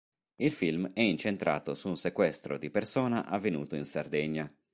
Il film è incentrato su un sequestro di persona avvenuto in Sardegna.